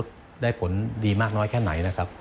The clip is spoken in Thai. ได้ผลดีมากน้อยแค่ไหนนะครับ